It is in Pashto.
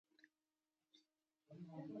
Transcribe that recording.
عدالت د بشري ګډ ژوند محور دی.